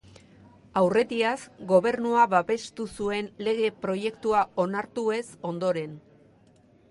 Aurretiaz, gobernua babestu zuen lege-proiektua onartu ez ondoren.